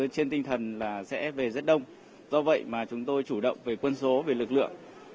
trên tinh thần là sẽ về rất đông do vậy mà chúng tôi chủ động về quân số về lực lượng